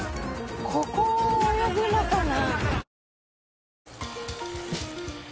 ここを泳ぐのかな？